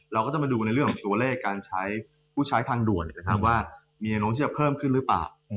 เราก็ต้องมาดูในเรื่องของตัวเลขการใช้ผู้ใช้ทางด่วนนะครับว่ามีแนวโน้มที่จะเพิ่มขึ้นหรือเปล่า